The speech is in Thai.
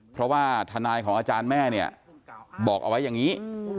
เพราะว่าทนายของอาจารย์แม่เนี่ยบอกเอาไว้อย่างนี้